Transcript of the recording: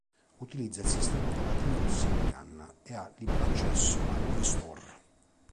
Utilizza il sistema operativo Symbian e ha libero accesso all'Ovi Store.